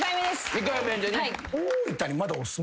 ２回目でね。